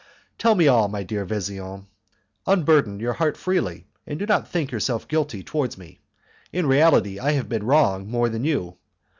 "Tell me all, my dear Vesian, unburden your heart freely, and do not think yourself guilty towards me; in reality I have been wrong more than you.